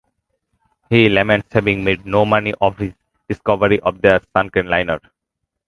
He laments having made no money off his discovery of the sunken liner.